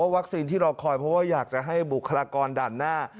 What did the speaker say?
วัคซีนที่เราคอยเพราะว่าอยากจะให้บุคลากรดันหน้า